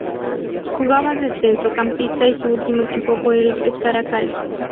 Jugaba de centrocampista y su último equipo fue el Pescara Calcio.